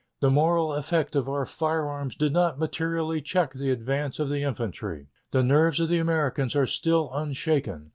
The moral effect of our firearms did not materially check the advance of the infantry. The nerves of the Americans are still unshaken....